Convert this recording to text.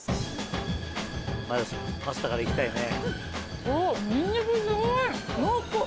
まずパスタからいきたいね。